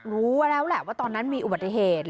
รู้แล้วแหละว่าตอนนั้นมีอุบัติเหตุ